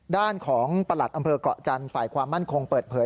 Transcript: ด้านของประหลัดอำเภอกเกาะจันทร์ฝ่ายความมั่นคงเปิดเผย